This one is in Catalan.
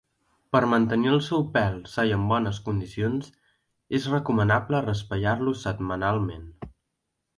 Per mantenir el seu pèl sa i en bones condicions, és recomanable raspallar-lo setmanalment.